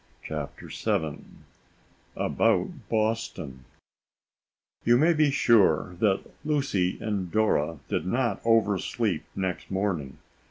CHAPTER VII ABOUT BOSTON You may be sure that Lucy and Dora did not oversleep next morning.